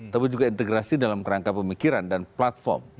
tapi juga integrasi dalam kerangka pemikiran dan platform